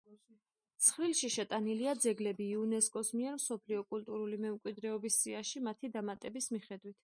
ცხრილში შეტანილია ძეგლები, იუნესკოს მიერ მსოფლიო კულტურული მემკვიდრეობის სიაში მათი დამატების მიხედვით.